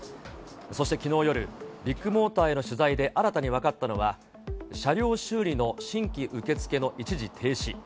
そしてきのう夜、ビッグモーターへの取材で新たに分かったのは、車両修理の新規受け付けの一時停止。